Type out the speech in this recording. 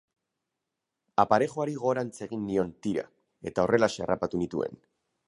Aparejoari gorantz egin nion tira eta horrelaxe harrapatu nituen.